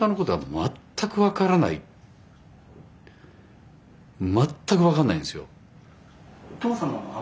全く分かんないんですよ。